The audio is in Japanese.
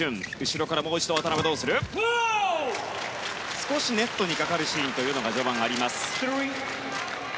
少しネットにかかるシーンが序盤、あります。